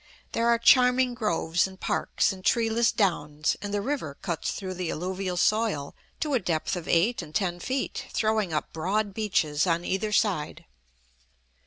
There are charming groves and parks and treeless downs, and the river cuts through the alluvial soil to a depth of eight and ten feet, throwing up broad beaches on either side.